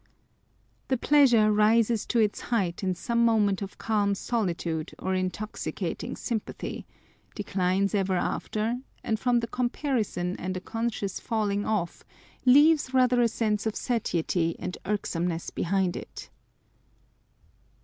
The pleasure rises to its height in some moment of calm solitude or intoxicating sympathy, declines ever after, and from the comparison and a con scious falling off, leaves rather a sense of satiety and irk someness behind it.